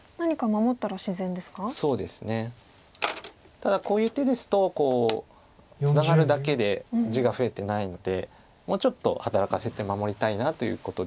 ただこういう手ですとこうツナがるだけで地が増えてないのでもうちょっと働かせて守りたいなということで。